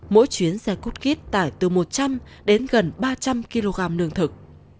mỗi chuyến xe cút kít tải từ một trăm linh đến gần ba trăm linh kg nương thực